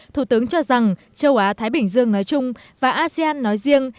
thủ tướng cho rằng châu á thái bình dương nói chung và asean nói riêng